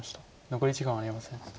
残り時間はありません。